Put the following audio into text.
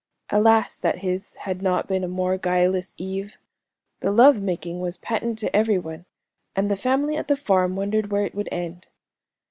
Alas, that his had not been a more guileless Eve! The love making was patent to every one, and the family at the farm wondered where it would end.